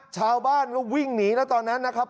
ชาวบ้านก็วิ่งหนีนะตอนนั้นนะครับ